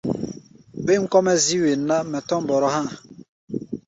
Bêm kɔ́-mɛ́ zíí wen ná, mɛ tɔ̧́ mbɔrɔ há̧ a̧.